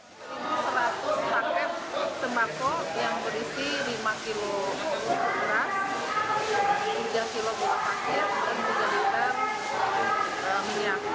ada seratus paket sembako yang berisi lima kilo beras tiga kg buah paket dan tiga liter minyak